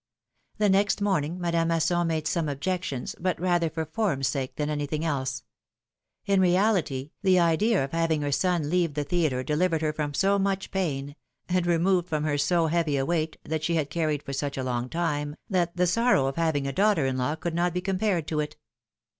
The next morning Madame Masson made some objec tions, but rather for form's sake than anything else. In reality, the idea of having her son leave the theatre deliv ered her from so much pain, and removed from her so heavy a weight, that she had carried for such a long time, that the sorrow of having a daughter in law could not be compared to it.